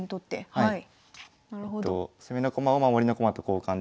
はい。